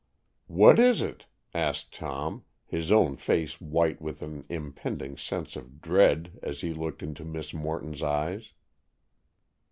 "What is it?" asked Tom, his own face white with an impending sense of dread as he looked into Miss Morton's eyes.